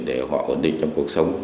để họ ổn định trong cuộc sống